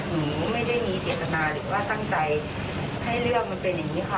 หนูไม่ได้มีเจตนาหรือว่าตั้งใจให้เรื่องมันเป็นอย่างนี้ค่ะ